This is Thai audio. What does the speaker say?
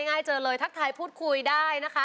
ง่ายเจอเลยทักทายพูดคุยได้นะคะ